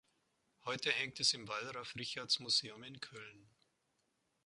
Heute hängt es im Wallraf-Richartz-Museum in Köln.